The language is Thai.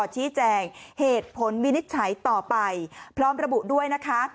ชี้แจงเหตุผลวินิจฉัยต่อไปพร้อมระบุด้วยนะคะ